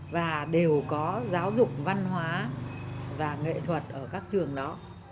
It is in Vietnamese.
và đều có giáo dục văn hóa và nghệ thuật ở các trường đó